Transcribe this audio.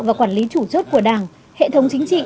và quản lý chủ chốt của đảng hệ thống chính trị